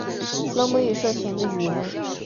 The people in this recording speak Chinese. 罗姆语社群的语言。